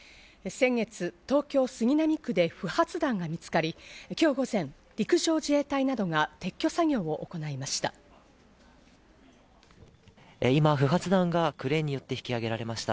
先月、東京・杉並区で不発弾が見つかり、今日午前、陸上自衛隊などが撤去作業を行いました。